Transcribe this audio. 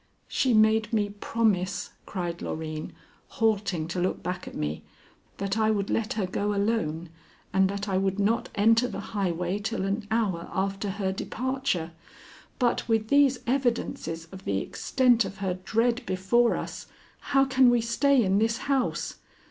"She made me promise," cried Loreen, halting to look back at me, "that I would let her go alone, and that I would not enter the highway till an hour after her departure. But with these evidences of the extent of her dread before us, how can we stay in this house?"